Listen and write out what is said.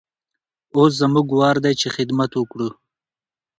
اوس زموږ وار دی چې خدمت وکړو.